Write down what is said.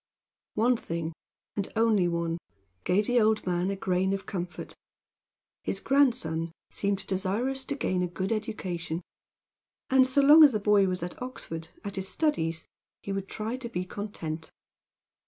One thing, and one only, gave the old man a grain of comfort: his grandson seemed desirous to gain a good education; and so long as the boy was at Oxford, at his studies, he would try to be content.